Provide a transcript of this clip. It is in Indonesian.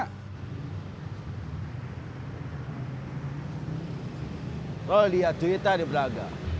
kalau dia cuita di belaga